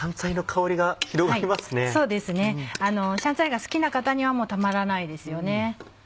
香菜が好きな方にはたまらないですよね。